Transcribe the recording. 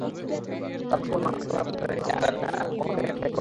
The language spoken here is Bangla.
তারপর বলবো আমরা তাকে কোথায় ধরে রেখেছি আর কখন আপনি তাকে দেখতে পাবেন।